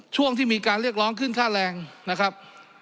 ช่วงที่มีการเรียกร้องขึ้นค่าแรงนะครับ